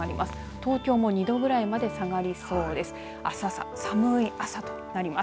東京も２度ぐらいまで下がりそうです。